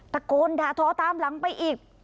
ตะโกนด่าทอตามหลังไปอีก